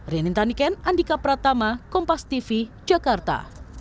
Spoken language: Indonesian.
reny taniken andika pratama kompastv jakarta